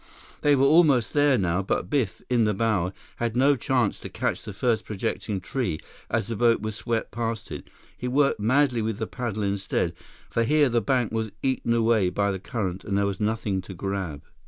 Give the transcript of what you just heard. They were almost there now, but Biff, in the bow, had no chance to catch the first projecting tree, as the boat was swept past it. He worked madly with the paddle instead, for here the bank was eaten away by the current, and there was nothing to grab.